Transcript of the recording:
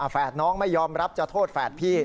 น้องไม่ยอมรับจะโทษแฝดพี่